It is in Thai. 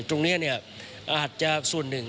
ตรงนี้อาจจะส่วนหนึ่ง